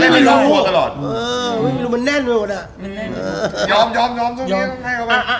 ไม่รู้มันแน่นไปก่อนอ่ะยอมตรงนี้ต้องให้เข้าไป